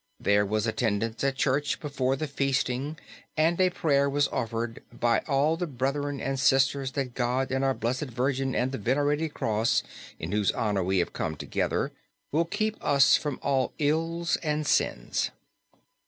There was attendance at church before the feasting and a prayer was offered by all the "brethren and sisters that God and our Blessed Virgin and the Venerated Cross in whose honor we have come together will keep us from all ills and sins."